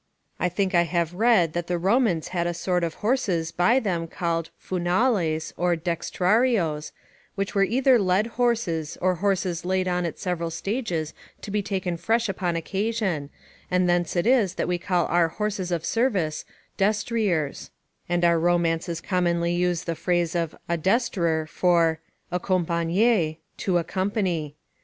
I think I have read that the Romans had a sort of horses by them called 'funales' or 'dextrarios', which were either led horses, or horses laid on at several stages to be taken fresh upon occasion, and thence it is that we call our horses of service 'destriers'; and our romances commonly use the phrase of 'adestrer' for 'accompagner', to accompany.